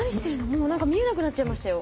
もう何か見えなくなっちゃいましたよ。